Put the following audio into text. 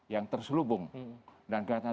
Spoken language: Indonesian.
yang terselubung dan kegiatan